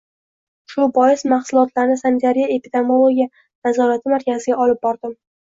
Shu bois mahsulotlarni sanitariya-epidemiologiya nazorati markaziga olib bordim.